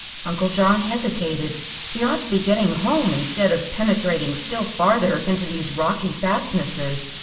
Uncle John hesitated. He ought to be getting home, instead of penetrating still farther into these rocky fastnesses.